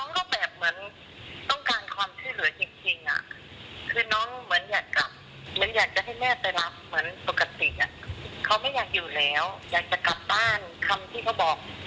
ก็คือมันเป็นคำที่ตรงกันที่น้องเล่าให้แม่ฝัก